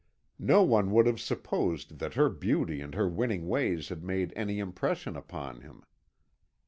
No one would have supposed that her beauty and her winning ways had made any impression upon him.